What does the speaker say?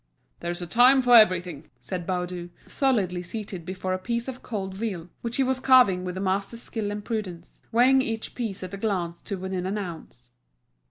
"There's a time for everything," said Baudu, solidly seated before a piece of cold veal, which he was carving with a master's skill and prudence, weighing each piece at a glance to within an ounce.